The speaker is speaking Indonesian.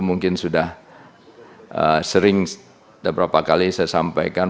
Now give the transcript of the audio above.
mungkin sudah sering beberapa kali saya sampaikan